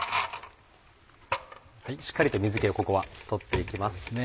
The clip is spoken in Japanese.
しっかりと水気をここは取っていきます。